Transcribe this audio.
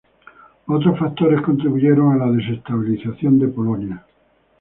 Otros factores contribuyeron a la desestabilización de Polonia.